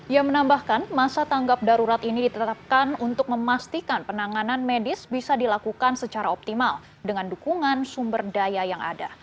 ia menambahkan masa tanggap darurat ini ditetapkan untuk memastikan penanganan medis bisa dilakukan secara optimal dengan dukungan sumber daya yang ada